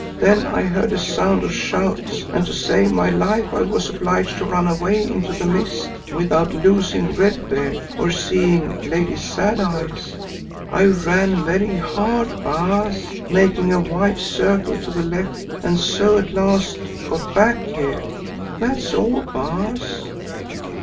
Then I heard a sound of shouts, and to save my life was obliged to run away into the mist, without loosing Red Beard or seeing Lady Sad Eyes. I ran very hard, Baas, making a wide circle to the left, and so at last got back here. That's all, Baas."